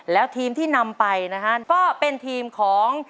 แล้วทีมที่นำไปนะฮะก็เป็นทีมของ